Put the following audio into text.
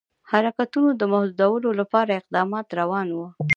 حرکتونو د محدودولو لپاره اقدامات روان وه.